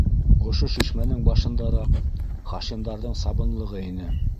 Ошо шишмәнең башындараҡ - Хашимдарҙың сабынлығы ине.